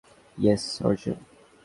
Yes, Arjun!